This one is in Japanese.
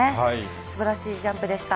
素晴らしいジャンプでした。